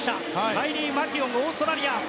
カイリー・マキュオンオーストラリア。